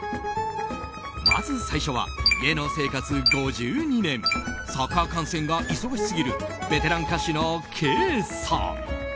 まず最初は、芸能生活５２年サッカー観戦が忙しすぎるベテラン歌手のＫさん。